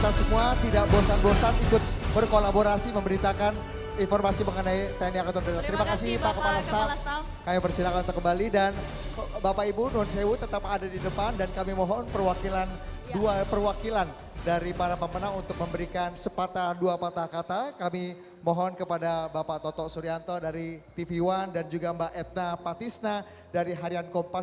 kami mohon dengan hormat bapak kepala staff angkatan udara